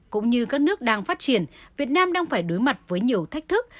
cũng như các nước đang phát triển việt nam đang phải đối mặt với nhiều thách thức